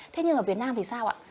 thế nhưng ở việt nam thì sao ạ